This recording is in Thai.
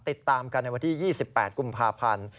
ติดตามกันในวันที่๒๘กุมภาพันธ์